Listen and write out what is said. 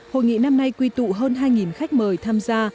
hội nghị năm nay quy tụ hơn hai khách mời tham gia